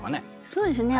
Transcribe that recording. そうですね。